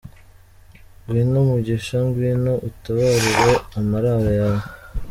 Ngwino Mugisha, ngwino utubarire amararo yawe